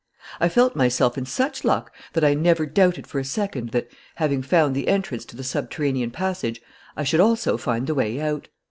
"I felt myself in such luck that I never doubted for a second that, having found the entrance to the subterranean passage, I should also find the way out.